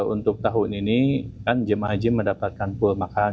untuk tahun ini kan jemaah haji mendapatkan pull makanan